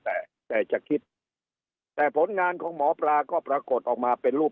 แต่แต่จะคิดแต่ผลงานของหมอปลาก็ปรากฏออกมาเป็นรูป